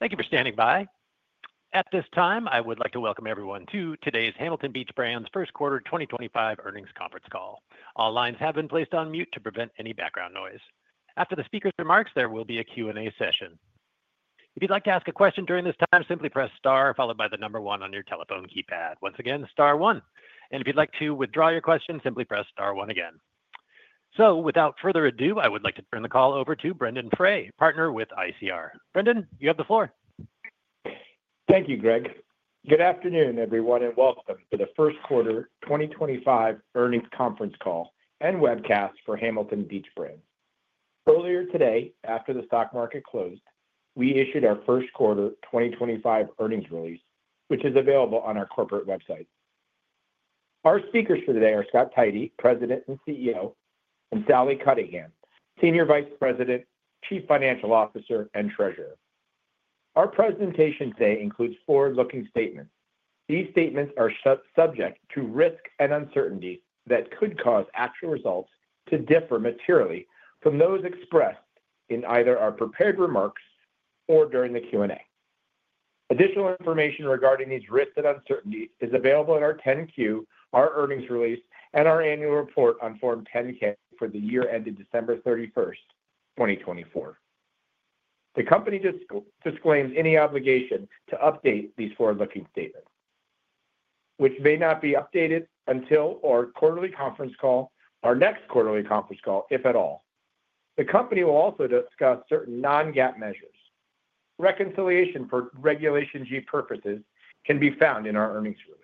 Thank you for standing by. At this time, I would like to welcome everyone to today's Hamilton Beach Brands First Quarter 2025 Earnings Conference Call. All lines have been placed on mute to prevent any background noise. After the speaker's remarks, there will be a Q&A session. If you'd like to ask a question during this time, simply press star followed by the number one on your telephone keypad. Once again, star one. If you'd like to withdraw your question, simply press star one again. Without further ado, I would like to turn the call over to Brendan Frey, partner with ICR. Brendan, you have the floor. Thank you, Greg. Good afternoon, everyone, and welcome to the First Quarter 2025 Earnings Conference Call and webcast for Hamilton Beach Brands. Earlier today, after the stock market closed, we issued our First Quarter 2025 earnings release, which is available on our corporate website. Our speakers for today are Scott Tidey, President and CEO, and Sally Cunningham, Senior Vice President, Chief Financial Officer, and Treasurer. Our presentation today includes forward-looking statements. These statements are subject to risks and uncertainties that could cause actual results to differ materially from those expressed in either our prepared remarks or during the Q&A. Additional information regarding these risks and uncertainties is available in our 10-Q, our earnings release, and our annual report on Form 10-K for the year ended December 31st, 2024. The company disclaims any obligation to update these forward-looking statements, which may not be updated until our quarterly conference call, our next quarterly conference call, if at all. The company will also discuss certain non-GAAP measures. Reconciliation for Regulation G purposes can be found in our earnings release.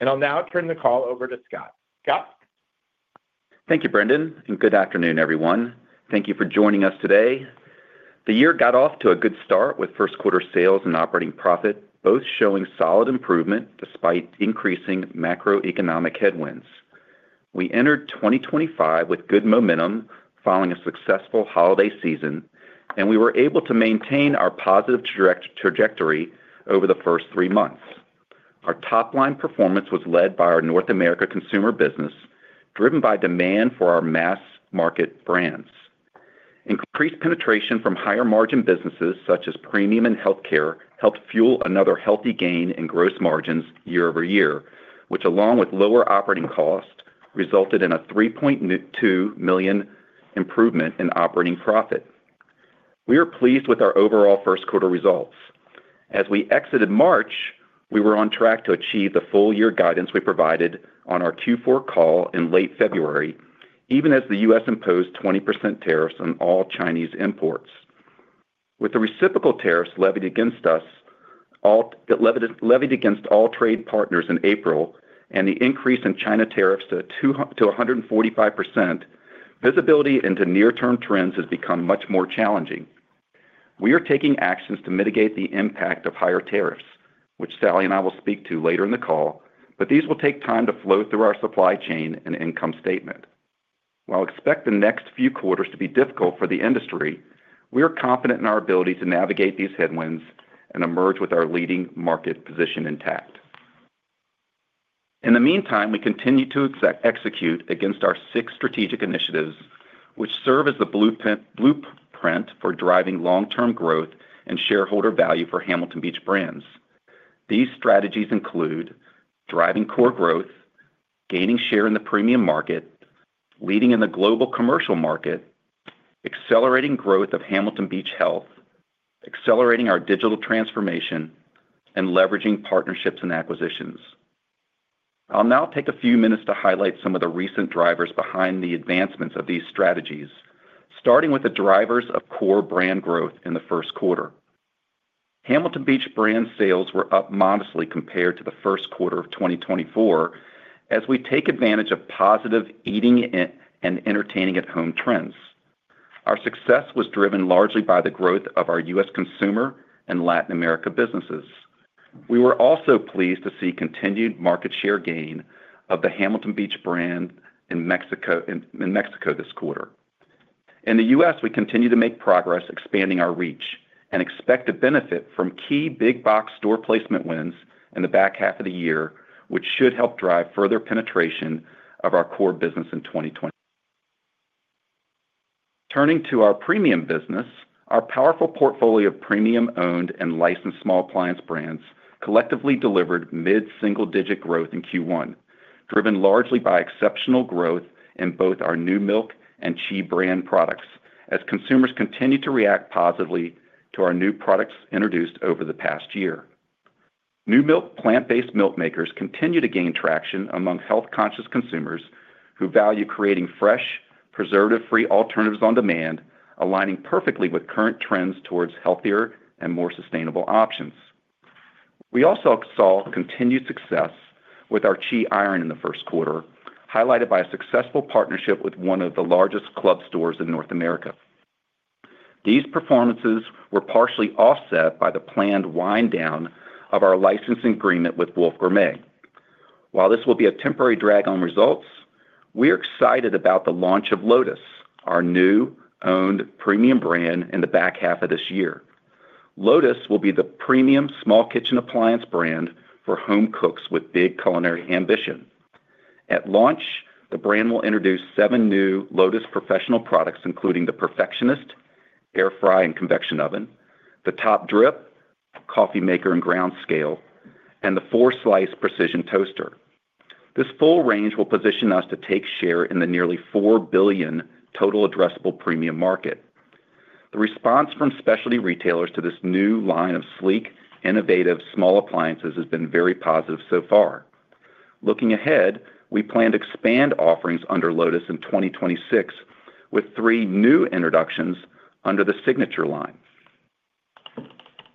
I'll now turn the call over to Scott. Scott. Thank you, Brendan, and good afternoon, everyone. Thank you for joining us today. The year got off to a good start with first-quarter sales and operating profit, both showing solid improvement despite increasing macroeconomic headwinds. We entered 2025 with good momentum following a successful holiday season, and we were able to maintain our positive trajectory over the first three months. Our top-line performance was led by our North America consumer business, driven by demand for our mass-market brands. Increased penetration from higher-margin businesses, such as premium and healthcare, helped fuel another healthy gain in gross margins year over year, which, along with lower operating costs, resulted in a $3.2 million improvement in operating profit. We are pleased with our overall first-quarter results. As we exited March, we were on track to achieve the full-year guidance we provided on our Q4 call in late February, even as the U.S. Imposed 20% tariffs on all Chinese imports. With the reciprocal tariffs levied against us, levied against all trade partners in April, and the increase in China tariffs to 145%, visibility into near-term trends has become much more challenging. We are taking actions to mitigate the impact of higher tariffs, which Sally and I will speak to later in the call, but these will take time to flow through our supply chain and income statement. While I expect the next few quarters to be difficult for the industry, we are confident in our ability to navigate these headwinds and emerge with our leading market position intact. In the meantime, we continue to execute against our six strategic initiatives, which serve as the blueprint for driving long-term growth and shareholder value for Hamilton Beach Brands. These strategies include driving core growth, gaining share in the premium market, leading in the global commercial market, accelerating growth of Hamilton Beach Health, accelerating our digital transformation, and leveraging partnerships and acquisitions. I'll now take a few minutes to highlight some of the recent drivers behind the advancements of these strategies, starting with the drivers of core brand growth in the first quarter. Hamilton Beach Brands' sales were up modestly compared to the first quarter of 2024, as we take advantage of positive eating and entertaining at home trends. Our success was driven largely by the growth of our U.S. consumer and Latin America businesses. We were also pleased to see continued market share gain of the Hamilton Beach Brand in Mexico this quarter. In the U.S., we continue to make progress, expanding our reach, and expect to benefit from key big-box store placement wins in the back half of the year, which should help drive further penetration of our core business in 2020. Turning to our premium business, our powerful portfolio of premium-owned and licensed small appliance brands collectively delivered mid-single-digit growth in Q1, driven largely by exceptional growth in both our Numilk and CHI brand products, as consumers continue to react positively to our new products introduced over the past year. Numilk plant-based milk makers continue to gain traction among health-conscious consumers who value creating fresh, preservative-free alternatives on demand, aligning perfectly with current trends towards healthier and more sustainable options. We also saw continued success with our CHI iron in the first quarter, highlighted by a successful partnership with one of the largest club stores in North America. These performances were partially offset by the planned wind-down of our licensing agreement with Wolf Gourmet. While this will be a temporary drag on results, we are excited about the launch of Lotus, our new-owned premium brand in the back half of this year. Lotus will be the premium small kitchen appliance brand for home cooks with big culinary ambition. At launch, the brand will introduce seven new Lotus professional products, including the Perfectionist Air Fry and Convection Oven, the Top Drip Coffee Maker and Ground Scale, and the Four Slice Precision Toaster. This full range will position us to take share in the nearly $4 billion total addressable premium market. The response from specialty retailers to this new line of sleek, innovative small appliances has been very positive so far. Looking ahead, we plan to expand offerings under Lotus in 2026 with three new introductions under the Signature line.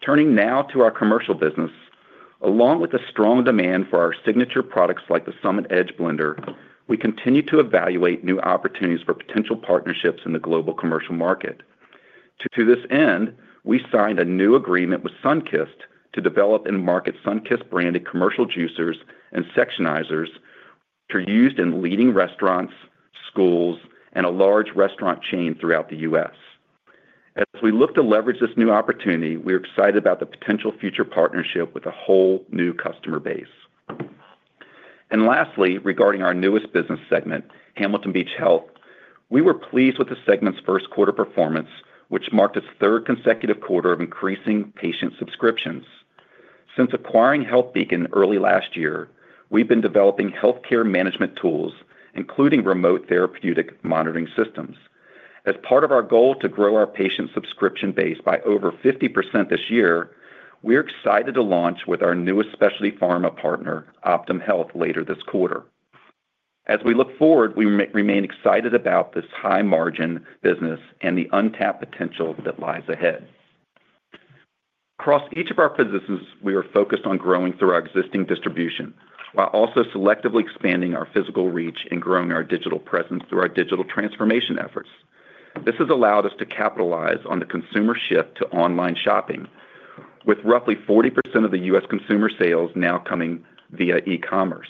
Turning now to our commercial business, along with the strong demand for our Signature products like the Summit Edge blender, we continue to evaluate new opportunities for potential partnerships in the global commercial market. To this end, we signed a new agreement with Sunkist to develop and market Sunkist-branded commercial juicers and sectionizers which are used in leading restaurants, schools, and a large restaurant chain throughout the U.S. As we look to leverage this new opportunity, we are excited about the potential future partnership with a whole new customer base. Lastly, regarding our newest business segment, Hamilton Beach Health, we were pleased with the segment's first-quarter performance, which marked its third consecutive quarter of increasing patient subscriptions. Since acquiring HealthBeacon early last year, we've been developing healthcare management tools, including remote therapeutic monitoring systems. As part of our goal to grow our patient subscription base by over 50% this year, we're excited to launch with our newest specialty pharma partner, Optum Health, later this quarter. As we look forward, we remain excited about this high-margin business and the untapped potential that lies ahead. Across each of our positions, we are focused on growing through our existing distribution, while also selectively expanding our physical reach and growing our digital presence through our digital transformation efforts. This has allowed us to capitalize on the consumer shift to online shopping, with roughly 40% of the U.S. consumer sales now coming via e-commerce.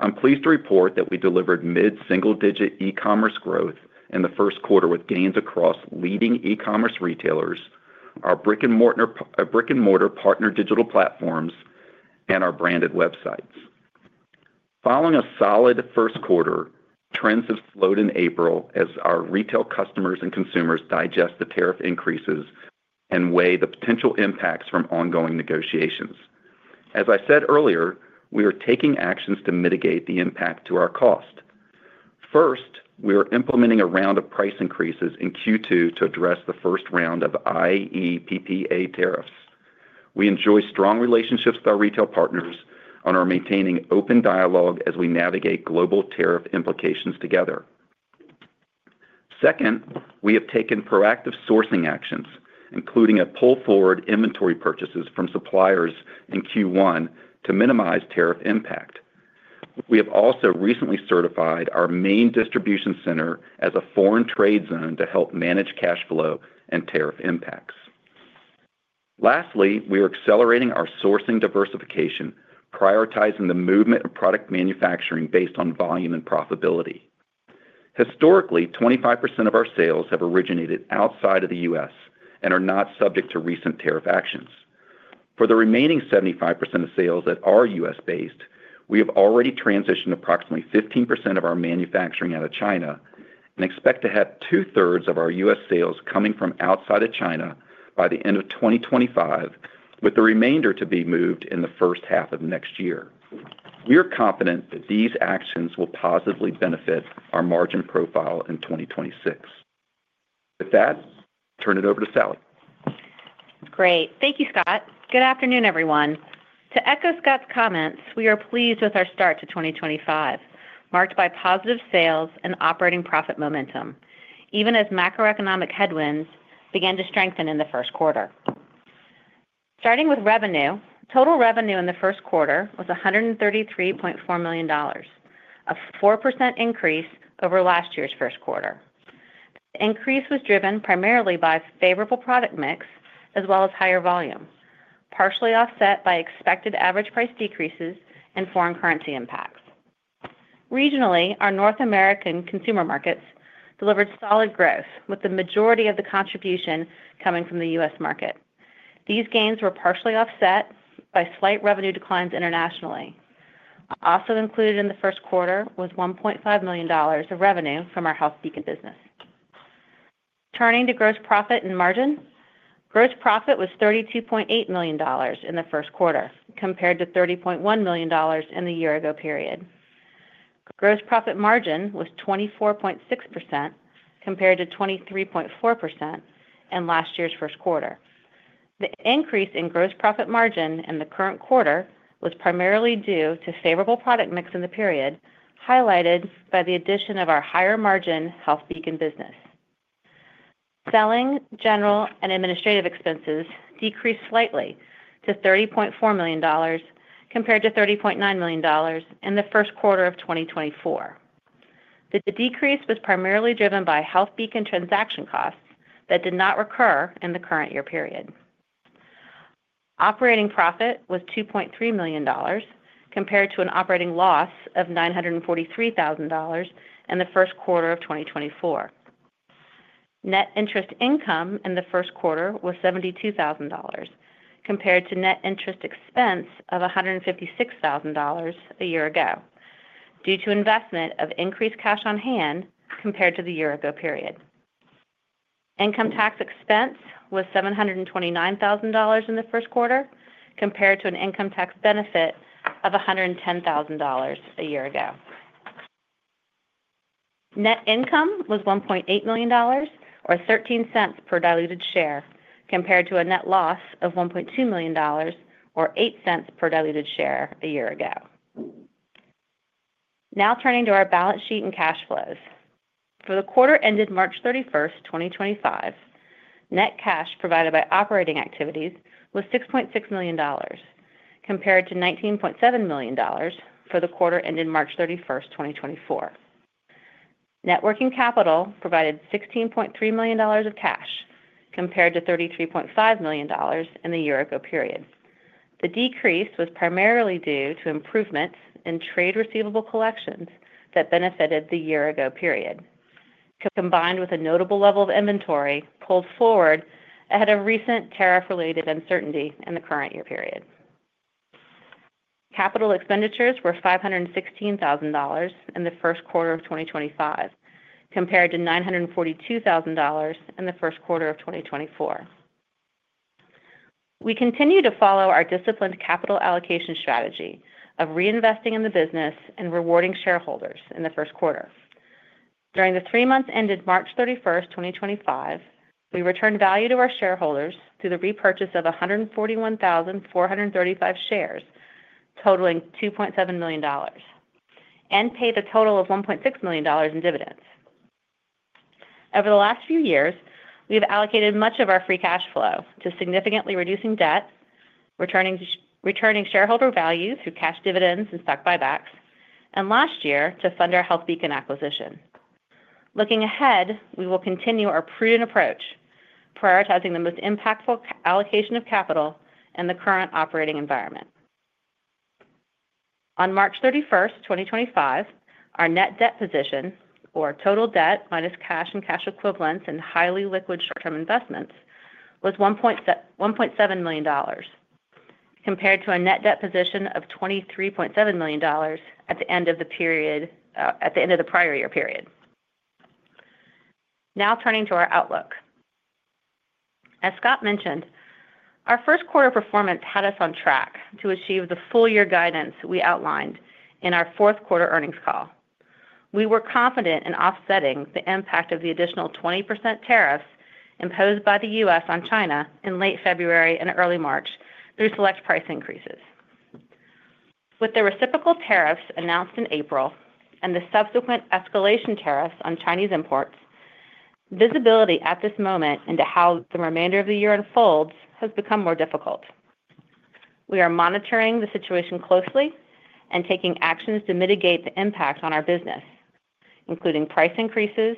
I'm pleased to report that we delivered mid-single-digit e-commerce growth in the first quarter with gains across leading e-commerce retailers, our brick-and-mortar partner digital platforms, and our branded websites. Following a solid first quarter, trends have slowed in April as our retail customers and consumers digest the tariff increases and weigh the potential impacts from ongoing negotiations. As I said earlier, we are taking actions to mitigate the impact to our cost. First, we are implementing a round of price increases in Q2 to address the first round of IEEPA tariffs. We enjoy strong relationships with our retail partners and are maintaining open dialogue as we navigate global tariff implications together. Second, we have taken proactive sourcing actions, including a pull-forward inventory purchases from suppliers in Q1 to minimize tariff impact. We have also recently certified our main distribution center as a foreign trade zone to help manage cash flow and tariff impacts. Lastly, we are accelerating our sourcing diversification, prioritizing the movement of product manufacturing based on volume and profitability. Historically, 25% of our sales have originated outside of the U.S. and are not subject to recent tariff actions. For the remaining 75% of sales that are U.S.-based, we have already transitioned approximately 15% of our manufacturing out of China and expect to have two-thirds of our U.S. sales coming from outside of China by the end of 2025, with the remainder to be moved in the first half of next year. We are confident that these actions will positively benefit our margin profile in 2026. With that, I'll turn it over to Sally. Great. Thank you, Scott. Good afternoon, everyone. To echo Scott's comments, we are pleased with our start to 2025, marked by positive sales and operating profit momentum, even as macroeconomic headwinds began to strengthen in the first quarter. Starting with revenue, total revenue in the first quarter was $133.4 million, a 4% increase over last year's first quarter. The increase was driven primarily by a favorable product mix as well as higher volume, partially offset by expected average price decreases and foreign currency impacts. Regionally, our North American consumer markets delivered solid growth, with the majority of the contribution coming from the U.S. market. These gains were partially offset by slight revenue declines internationally. Also included in the first quarter was $1.5 million of revenue from our HealthBeacon business. Turning to gross profit and margin, gross profit was $32.8 million in the first quarter, compared to $30.1 million in the year-ago period. Gross profit margin was 24.6%, compared to 23.4% in last year's first quarter. The increase in gross profit margin in the current quarter was primarily due to favorable product mix in the period, highlighted by the addition of our higher-margin HealthBeacon business. Selling, general, and administrative expenses decreased slightly to $30.4 million, compared to $30.9 million in the first quarter of 2024. The decrease was primarily driven by HealthBeacon transaction costs that did not recur in the current year period. Operating profit was $2.3 million, compared to an operating loss of $943,000 in the first quarter of 2024. Net interest income in the first quarter was $72,000, compared to net interest expense of $156,000 a year ago, due to investment of increased cash on hand compared to the year-ago period. Income tax expense was $729,000 in the first quarter, compared to an income tax benefit of $110,000 a year ago. Net income was $1.8 million, or $0.13 per diluted share, compared to a net loss of $1.2 million, or $0.08 per diluted share a year ago. Now turning to our balance sheet and cash flows. For the quarter ended March 31st, 2025, net cash provided by operating activities was $6.6 million, compared to $19.7 million for the quarter ended March 31st, 2024. Net working capital provided $16.3 million of cash, compared to $33.5 million in the year-ago period. The decrease was primarily due to improvements in trade receivable collections that benefited the year-ago period, combined with a notable level of inventory pulled forward ahead of recent tariff-related uncertainty in the current year period. Capital expenditures were $516,000 in the first quarter of 2025, compared to $942,000 in the first quarter of 2024. We continue to follow our disciplined capital allocation strategy of reinvesting in the business and rewarding shareholders in the first quarter. During the three months ended March 31st, 2025, we returned value to our shareholders through the repurchase of 141,435 shares, totaling $2.7 million, and paid a total of $1.6 million in dividends. Over the last few years, we have allocated much of our free cash flow to significantly reducing debt, returning shareholder value through cash dividends and stock buybacks, and last year to fund our HealthBeacon acquisition. Looking ahead, we will continue our prudent approach, prioritizing the most impactful allocation of capital in the current operating environment. On March 31st, 2025, our net debt position, or total debt minus cash and cash equivalents in highly liquid short-term investments, was $1.7 million, compared to a net debt position of $23.7 million at the end of the prior year period. Now turning to our outlook. As Scott mentioned, our first quarter performance had us on track to achieve the full-year guidance we outlined in our fourth quarter earnings call. We were confident in offsetting the impact of the additional 20% tariffs imposed by the U.S. on China in late February and early March through select price increases. With the reciprocal tariffs announced in April and the subsequent escalation tariffs on Chinese imports, visibility at this moment into how the remainder of the year unfolds has become more difficult. We are monitoring the situation closely and taking actions to mitigate the impact on our business, including price increases,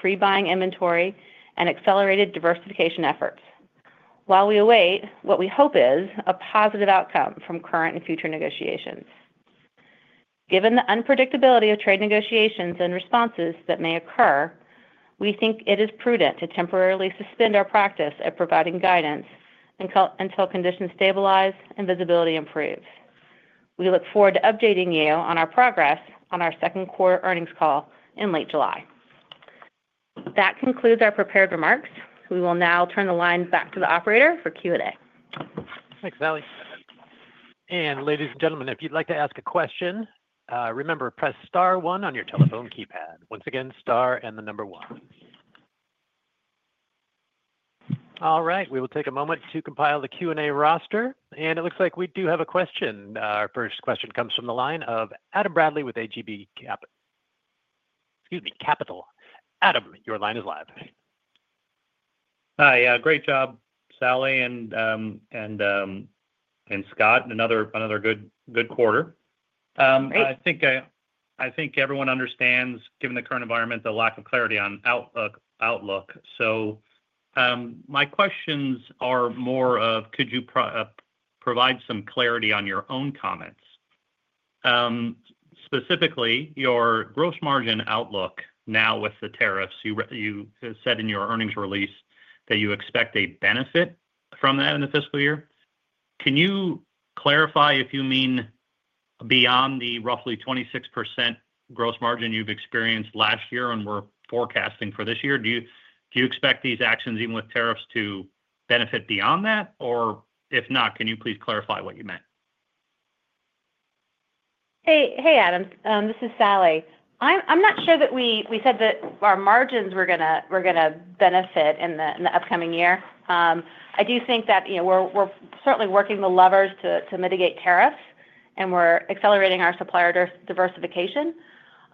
pre-buying inventory, and accelerated diversification efforts, while we await what we hope is a positive outcome from current and future negotiations. Given the unpredictability of trade negotiations and responses that may occur, we think it is prudent to temporarily suspend our practice at providing guidance until conditions stabilize and visibility improves. We look forward to updating you on our progress on our second quarter earnings call in late July. That concludes our prepared remarks. We will now turn the line back to the operator for Q&A. Thanks, Sally. Ladies and gentlemen, if you'd like to ask a question, remember to press star one on your telephone keypad. Once again, star and the number one. All right. We will take a moment to compile the Q&A roster. It looks like we do have a question. Our first question comes from the line of Adam Bradley with AJB Capital. Excuse me, Capital. Adam, your line is live. Hi. Great job, Sally and Scott. Another good quarter. I think everyone understands, given the current environment, the lack of clarity on Outlook. My questions are more of, could you provide some clarity on your own comments? Specifically, your gross margin outlook now with the tariffs. You said in your earnings release that you expect a benefit from that in the fiscal year. Can you clarify if you mean beyond the roughly 26% gross margin you've experienced last year and were forecasting for this year? Do you expect these actions, even with tariffs, to benefit beyond that? If not, can you please clarify what you meant? Hey, Adam. This is Sally. I'm not sure that we said that our margins were going to benefit in the upcoming year. I do think that we're certainly working the levers to mitigate tariffs, and we're accelerating our supplier diversification,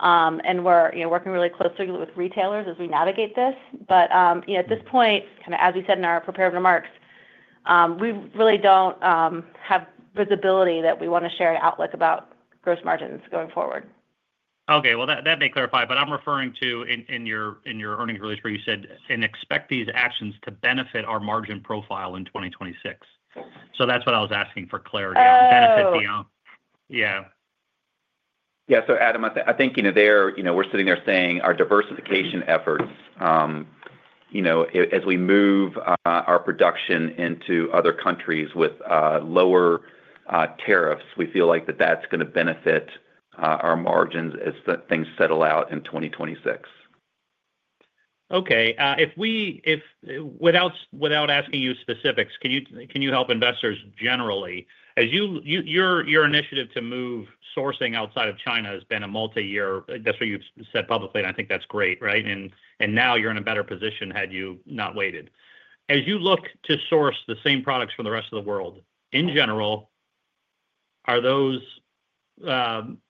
and we're working really closely with retailers as we navigate this. At this point, kind of as we said in our prepared remarks, we really don't have visibility that we want to share an outlook about gross margins going forward. Okay. That may clarify. I am referring to in your earnings release where you said, "And expect these actions to benefit our margin profile in 2026." That is what I was asking for clarity on. Benefit beyond. Yeah. Yeah. Adam, I think we're sitting there saying our diversification efforts, as we move our production into other countries with lower tariffs, we feel like that's going to benefit our margins as things settle out in 2026. Okay. Without asking you specifics, can you help investors generally? Your initiative to move sourcing outside of China has been a multi-year—that's what you've said publicly, and I think that's great, right? Now you're in a better position had you not waited. As you look to source the same products from the rest of the world, in general, are those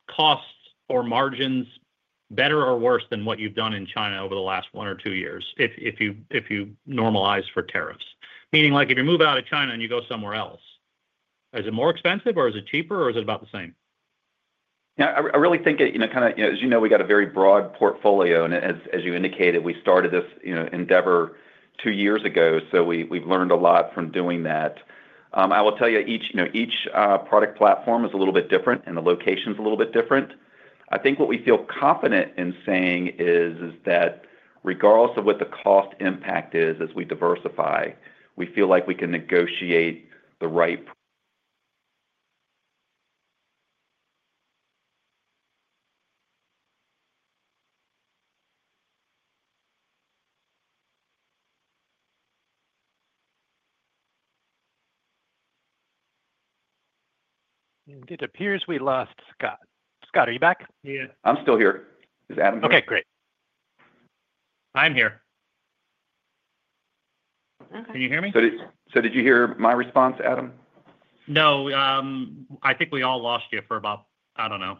costs or margins better or worse than what you've done in China over the last one or two years, if you normalize for tariffs? Meaning, if you move out of China and you go somewhere else, is it more expensive, or is it cheaper, or is it about the same? Yeah. I really think kind of, as you know, we've got a very broad portfolio. And as you indicated, we started this endeavor two years ago, so we've learned a lot from doing that. I will tell you, each product platform is a little bit different, and the location's a little bit different. I think what we feel confident in saying is that regardless of what the cost impact is, as we diversify, we feel like we can negotiate the right. It appears we lost Scott. Scott, are you back? Yeah. I'm still here. Is Adam here? Okay. Great. I'm here. Can you hear me? Did you hear my response, Adam? No. I think we all lost you for about, I don't know,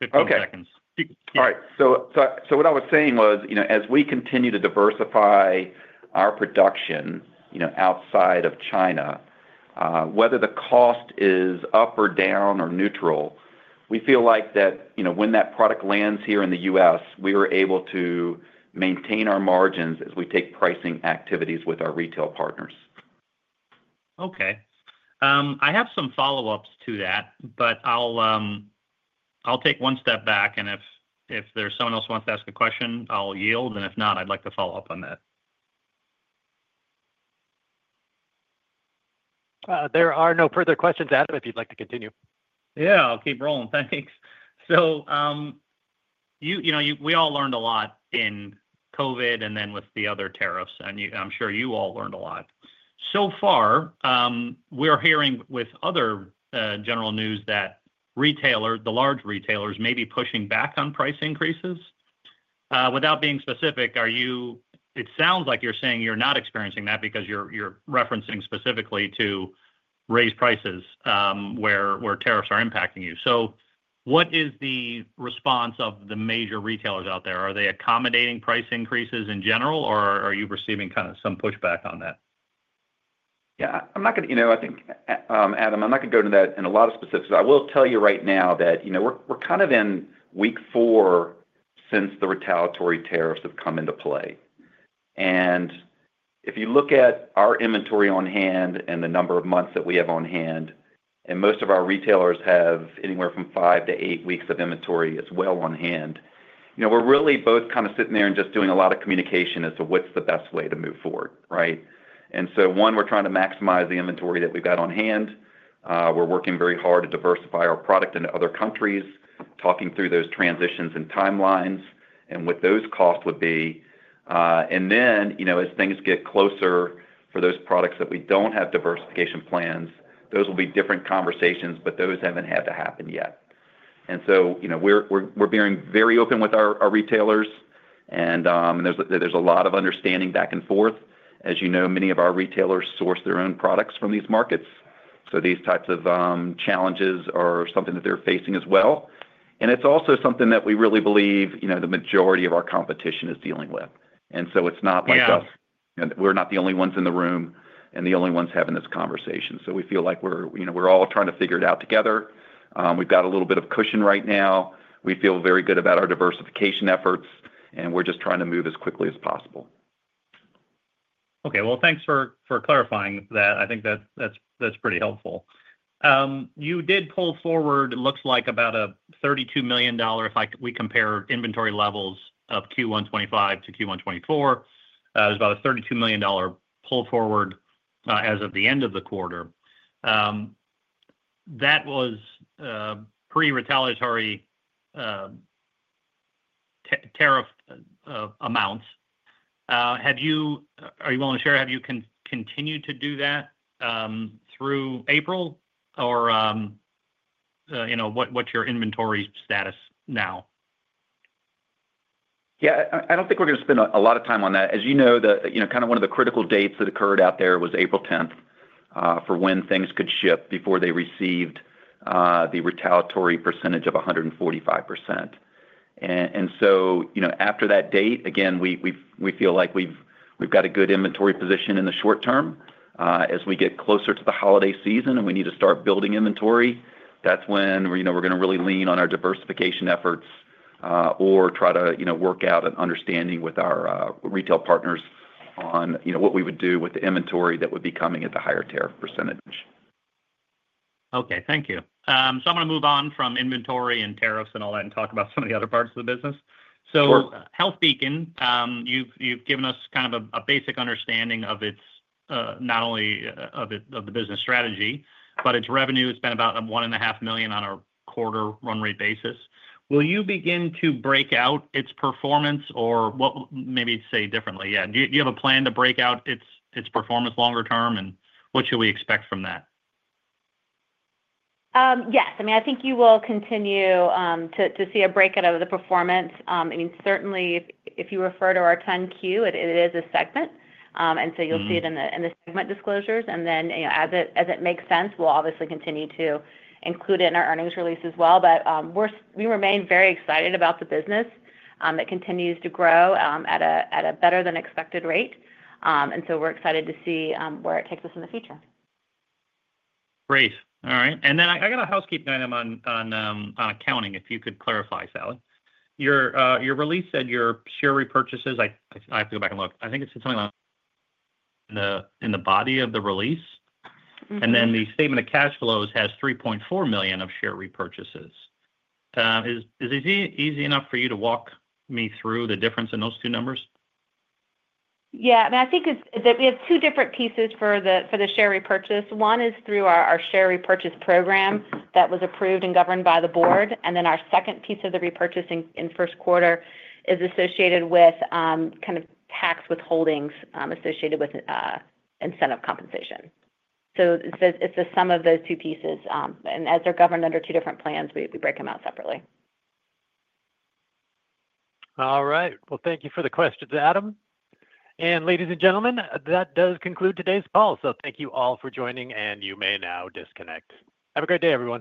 15 seconds. Okay. All right. What I was saying was, as we continue to diversify our production outside of China, whether the cost is up or down or neutral, we feel like that when that product lands here in the U.S., we are able to maintain our margins as we take pricing activities with our retail partners. Okay. I have some follow-ups to that, but I'll take one step back. If there's someone else who wants to ask a question, I'll yield. If not, I'd like to follow up on that. There are no further questions. Adam, if you'd like to continue. Yeah. I'll keep rolling. Thanks. We all learned a lot in COVID and then with the other tariffs. I'm sure you all learned a lot. So far, we are hearing with other general news that retailers, the large retailers, may be pushing back on price increases. Without being specific, it sounds like you're saying you're not experiencing that because you're referencing specifically to raised prices where tariffs are impacting you. What is the response of the major retailers out there? Are they accommodating price increases in general, or are you receiving kind of some pushback on that? Yeah. I'm not going to—I think, Adam, I'm not going to go into that in a lot of specifics. I will tell you right now that we're kind of in week four since the retaliatory tariffs have come into play. If you look at our inventory on hand and the number of months that we have on hand, and most of our retailers have anywhere from five to eight weeks of inventory as well on hand, we're really both kind of sitting there and just doing a lot of communication as to what's the best way to move forward, right? One, we're trying to maximize the inventory that we've got on hand. We're working very hard to diversify our product into other countries, talking through those transitions and timelines, and what those costs would be. As things get closer for those products that we do not have diversification plans, those will be different conversations, but those have not had to happen yet. We are being very open with our retailers, and there is a lot of understanding back and forth. As you know, many of our retailers source their own products from these markets. These types of challenges are something that they are facing as well. It is also something that we really believe the majority of our competition is dealing with. It is not like we are the only ones in the room and the only ones having this conversation. We feel like we are all trying to figure it out together. We have got a little bit of cushion right now. We feel very good about our diversification efforts, and we are just trying to move as quickly as possible. Okay. Thanks for clarifying that. I think that's pretty helpful. You did pull forward, it looks like, about $32 million if we compare inventory levels of Q1 2025 to Q1 2024. It was about $32 million pulled forward as of the end of the quarter. That was pre-retaliatory tariff amounts. Are you willing to share? Have you continued to do that through April, or what's your inventory status now? Yeah. I don't think we're going to spend a lot of time on that. As you know, kind of one of the critical dates that occurred out there was April 10th for when things could ship before they received the retaliatory percentage of 145%. After that date, again, we feel like we've got a good inventory position in the short term. As we get closer to the holiday season and we need to start building inventory, that's when we're going to really lean on our diversification efforts or try to work out an understanding with our retail partners on what we would do with the inventory that would be coming at the higher tariff percentage. Okay. Thank you. I'm going to move on from inventory and tariffs and all that and talk about some of the other parts of the business. HealthBeacon, you've given us kind of a basic understanding of not only the business strategy, but its revenue has been about $1.5 million on a quarter run rate basis. Will you begin to break out its performance, or maybe say differently, do you have a plan to break out its performance longer term, and what should we expect from that? Yes. I mean, I think you will continue to see a breakout of the performance. I mean, certainly, if you refer to our 10Q, it is a segment. You will see it in the segment disclosures. As it makes sense, we will obviously continue to include it in our earnings release as well. We remain very excited about the business. It continues to grow at a better-than-expected rate. We are excited to see where it takes us in the future. Great. All right. I got a housekeeping item on accounting, if you could clarify, Sally. Your release said your share repurchases—I have to go back and look. I think it said something like in the body of the release. The statement of cash flows has $3.4 million of share repurchases. Is it easy enough for you to walk me through the difference in those two numbers? Yeah. I mean, I think we have two different pieces for the share repurchase. One is through our share repurchase program that was approved and governed by the board. Then our second piece of the repurchase in first quarter is associated with kind of tax withholdings associated with incentive compensation. It is the sum of those two pieces. As they are governed under two different plans, we break them out separately. All right. Thank you for the questions, Adam. Ladies and gentlemen, that does conclude today's call. Thank you all for joining, and you may now disconnect. Have a great day everyone.